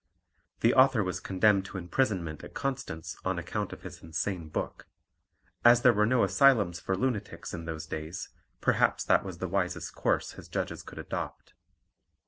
The author was condemned to imprisonment at Constance on account of his insane book. As there were no asylums for lunatics in those days, perhaps that was the wisest course his judges could adopt.